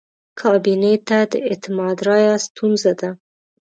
کابینې ته د اعتماد رایه ستونزه ده.